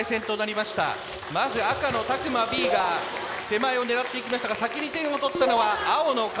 まず赤の詫間Ｂが手前を狙っていきましたが先に点をとったのは青の香川高専高松Ｂ。